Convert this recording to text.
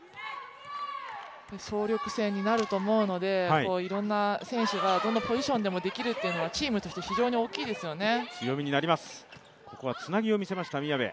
総力戦になると思うので、いろんな選手がどんなポジションでもできるというのはチームとしても大きいですよね。